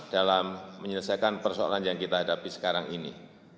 dalam menyelesaikan persoalan yang kita hadapi sekarang ini